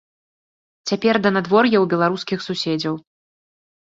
Цяпер да надвор'я ў беларускіх суседзяў.